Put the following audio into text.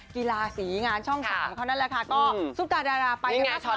กีฬาสีงานช่องสามเขา